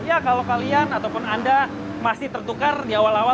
ya kalau kalian ataupun anda masih tertukar di awal awal